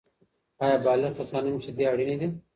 آیا بالغ کسان هم شیدې اړینې دي؟